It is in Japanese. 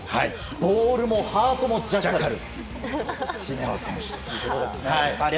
ボールもハートもジャッカル！